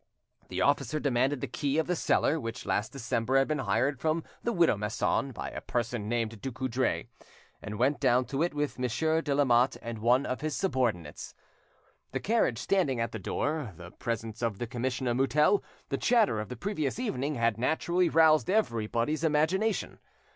The officer demanded the key of the cellar which last December had been hired from the widow Masson by a person named Ducoudray, and went down to it with Monsieur de Lamotte and one of his subordinates. The carriage standing at the door, the presence of the commissioner Mutel, the chatter of the previous evening, had naturally roused everybody's imagination.